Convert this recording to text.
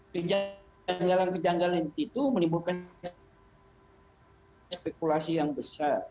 kejanggalan kejanggalan itu menimbulkan spekulasi yang besar